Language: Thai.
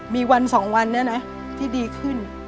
มีวัน๒วันนี้นะที่ดีขึ้น